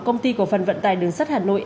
công ty cổ phần vận tài đường sắt hà nội